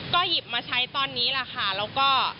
ก็หยิบมาใช้ตอนนี้แล้วก็